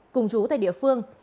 cùng chú tại địa phương